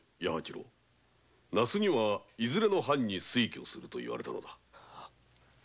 那須にはいずれの藩に推挙すると言われたのじゃ？